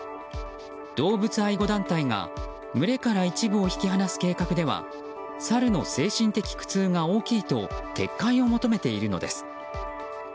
動物愛護団体が群れから一部を引き離す計画ではサルの精神的苦痛が大きいと撤回を求めているのです。